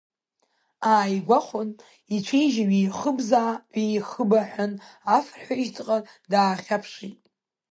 Ааигәахәын, ицәа-ижьы ҩеихыбзаа-ҩеихыбаҳәан, афырҳәа ишьҭахьҟа даахьаԥшит.